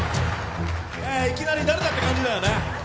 いきなり誰だって感じだよね。